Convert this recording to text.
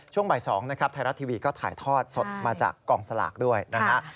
ช่วงบ่าย๒นะครับไทยรัฐทีวีก็ถ่ายทอดสดมาจากกองสลากด้วยนะฮะ